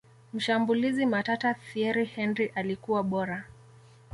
mshambulizi matata thiery henry alikuwa bora